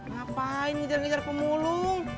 ngapain ngejar ngejar pemulung